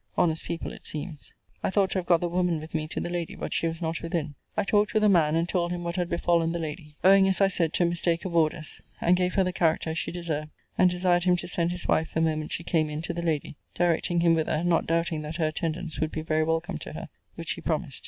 Honest people, it seems. I thought to have got the woman with me to the lady; but she was not within. I talked with the man, and told him what had befallen the lady; owing, as I said, to a mistake of orders; and gave her the character she deserved; and desired him to send his wife, the moment she came in, to the lady; directing him whither; not doubting that her attendance would be very welcome to her; which he promised.